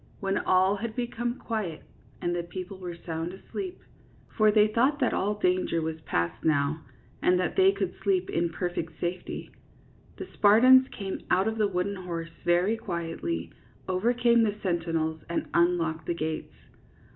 When all had become quiet, and the people were sound asleep, — for they thought that all danger was past now and that they could sleep in perfect safety, — the Spartans came out of the wooden horse very quietly, over came the sentinels, and unlocked the gates.